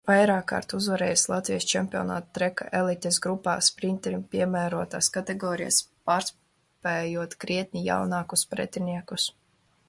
Vairākkārt uzvarējis Latvijas čempionātā trekā elites grupā sprinteriem piemērotās kategorijās, pārspējot krietni jaunākus pretiniekus.